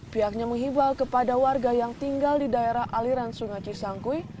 pihaknya menghibau kepada warga yang tinggal di daerah aliran sungai cisangkui